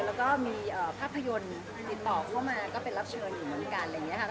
แล้วก็มีภาพยนต์ติดต่อเข้ามาก็เป็นรับเชิญอยู่เหมือนกัน